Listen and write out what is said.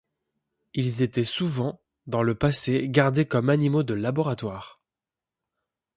Ils étaient souvent, dans le passé, gardé comme animaux de laboratoire.